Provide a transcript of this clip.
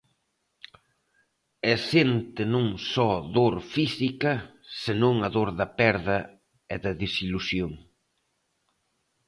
E sente non só dor física, senón a dor da perda e da desilusión.